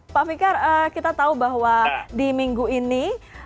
pak fikar kita tahu bahwa di minggu ini